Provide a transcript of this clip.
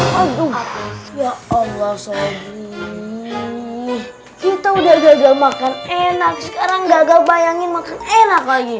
waguh ya allah sedih kita udah gagal makan enak sekarang gagal bayangin makan enak lagi